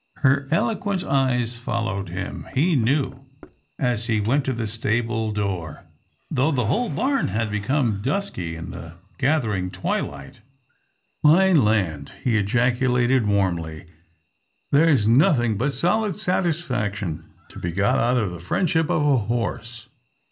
Her eloquent eyes followed him, he knew, as he went to the stable door, though the whole barn had become dusky in the gathering twilight. " My land !" he ejaculated warmly, " there's nothing but solid satisfaction to be got out of the friendship of a horse.